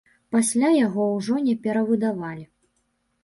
Пасля яго ўжо не перавыдавалі.